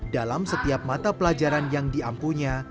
dalam setiap mata pelajaran yang diampunya